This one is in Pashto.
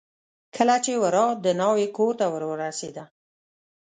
کله چې ورا د ناوې کورته ور ورسېده.